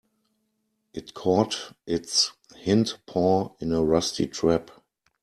It caught its hind paw in a rusty trap.